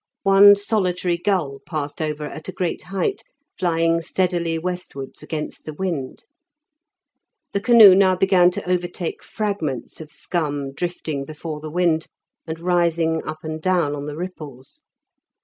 One solitary gull passed over at a great height, flying steadily westwards against the wind. The canoe now began to overtake fragments of scum drifting before the wind, and rising up and down on the ripples.